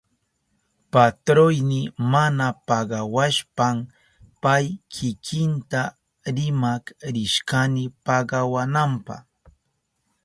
Patroyni mana pagawashpan pay kikinta rimak rishkani pagawananpa.